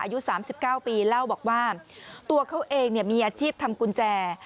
อายุ๓๙ปีเล่าบอกว่าตัวเขาเองมีอาชีพทำกุญแจ